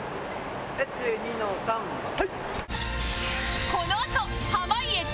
１２の３はい。